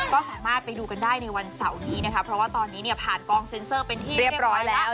ก็สามารถไปดูกันได้ในวันเสาร์นี้นะคะเพราะว่าตอนนี้เนี่ยผ่านกองเซ็นเซอร์เป็นที่เรียบร้อยแล้ว